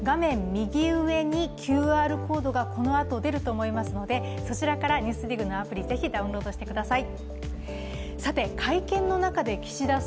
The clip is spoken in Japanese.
右上にＱＲコードがこのあと出ると思いますのでそちらから「ＮＥＷＳＤＩＧ」のアプリをぜひダウンロードしてください。